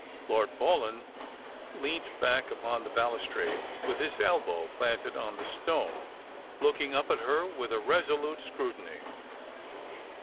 Lord Paulyn leant upon the balustrade, with his elbow planted on the etone, looking up at her with a resolute scrutiny.